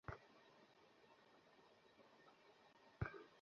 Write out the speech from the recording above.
যেমন তাদের এবং তাদের শরীয়তেও বিকৃতি ঘটলো।